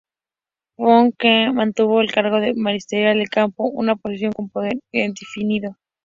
John Okello mantuvo el cargo de mariscal de campo, una posición con poder indefinido.